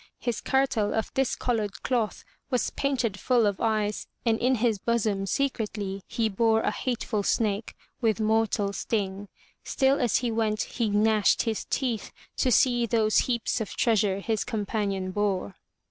His kirtle of discolored cloth was painted full of eyes and in his bosom secretly he bore a hateful snake with mortal sting. Still as he went he gnashed his teeth to see those heaps of treasure his companion bore.